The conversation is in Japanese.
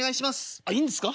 「あっいいんですか？」。